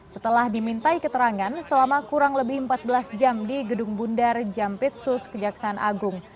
setelah dimintai keterangan selama kurang lebih empat belas jam di gedung bundar jampitsus kejaksaan agung